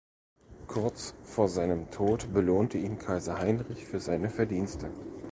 Kurz vor seinem Tod belohnte ihn Kaiser Heinrich für seine Verdienste.